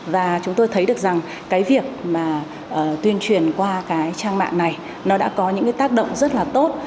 và chúng tôi thấy được rằng cái việc mà tuyên truyền qua cái trang mạng này nó đã có những cái tác động rất là tốt